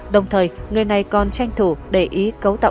đồng thời người này còn tranh thủ để ý cấu tạm